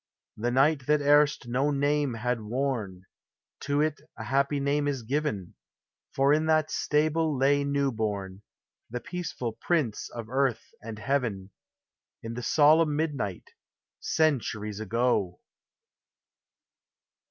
The night that erst no name had worn, To it a happy name is given; For in that stable lay new born, The peaceful Prince of Earth and Heaven, In the solemn midnight. Centuries ago